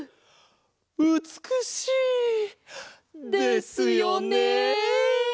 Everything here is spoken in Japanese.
うつくしい！ですよね！